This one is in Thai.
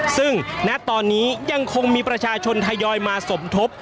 ซึ่งณตอนนี้ยังคงมีประชาชนทยอยมาสมทบ